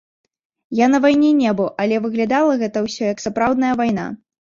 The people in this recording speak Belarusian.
Я на вайне не быў, але выглядала гэта ўсё, як сапраўдная вайна.